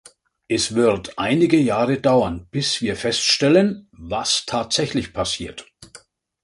Es wird einige Jahre dauern, bis wir feststellen, was tatsächlich passiert.